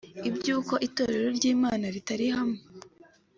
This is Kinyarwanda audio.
iby’uko Itorero ry’Imana ritari hamwe